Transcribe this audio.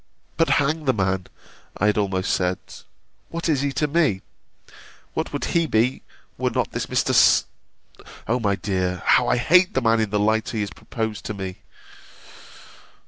But, hang the man, I had almost said What is he to me? What would he be were not this Mr. Sol O my dear, how I hate the man in the light he is proposed to me!